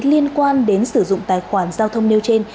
pháp lý liên quan đến sử dụng tài khoản giao thông nêu trên